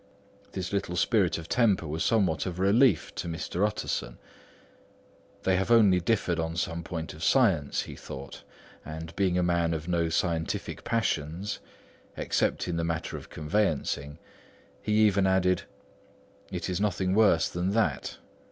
This little spirit of temper was somewhat of a relief to Mr. Utterson. "They have only differed on some point of science," he thought; and being a man of no scientific passions (except in the matter of conveyancing), he even added: "It is nothing worse than that!"